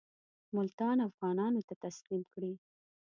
ملتان افغانانو ته تسلیم کړي.